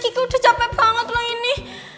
kiku udah capek banget loh ini